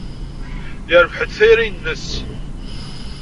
Yerbeḥ-d tayri-nnes.